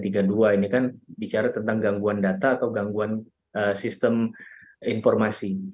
ini kan bicara tentang gangguan data atau gangguan sistem informasi